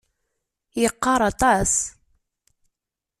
Yeqqar aṭas.